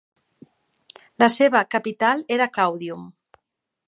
La seva capital era Caudium.